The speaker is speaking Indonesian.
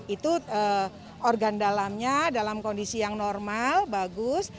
itu organ dalamnya dalam kondisi yang normal bagus